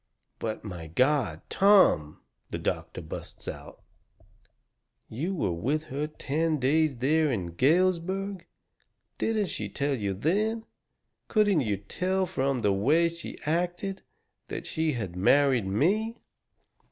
"But, my God! Tom," the doctor busts out, "you were with her ten days there in Galesburg! Didn't she tell you then couldn't you tell from the way she acted that she had married me?"